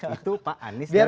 itu pak anies dan pak sandi